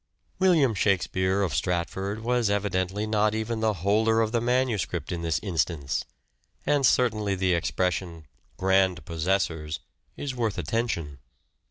William Shakspere of Stratford was evidently not even the holder of the manuscript in this instance : and certainly the expression " grand possessors " is worth attention.